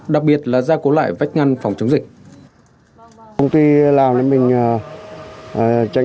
đặc biệt là gia cố lại vách ngăn phòng chống dịch